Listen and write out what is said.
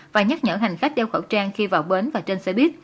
và nhắc nhở hành khách đeo khẩu trang khi vào bến và trên xe buýt